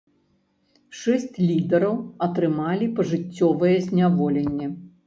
Шэсць лідараў атрымалі пажыццёвае зняволенне.